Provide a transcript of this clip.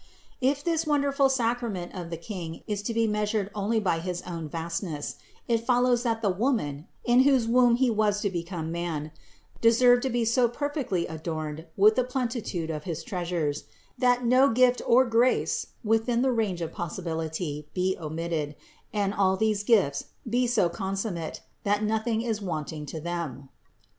71. If this wonderful sacrament of the King is to be measured only by his own vastness, it follows that the Woman, in whose womb He was to become man, de served to be so perfectly adorned with the plenitude of 68 THE INCARNATION 69 his treasures, that no gift or grace within the range of possibility be omitted, and all these gifts be so consum mate, that nothing is wanting to them.